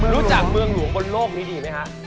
รู้จักเมืองหลวงบนโลกนี้ดีไหมฮะ